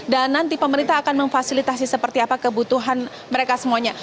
dan nanti pemerintah akan memfasilitasi seperti apa kebutuhan mereka semuanya